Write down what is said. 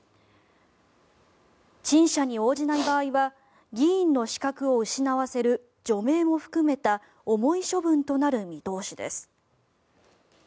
陳謝に応じない場合は議員の資格を失わせる除名も含めた重い処分となる見通しです。